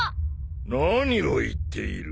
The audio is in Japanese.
何を言っている。